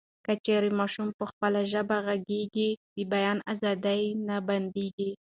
که چیري ماشوم په خپله ژبه غږېږي، د بیان ازادي یې نه بندېږي.